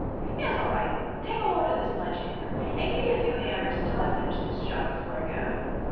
" Yes; all right. Take hold of this sledge hammer, and give me a few hammers till I finish this job before I go."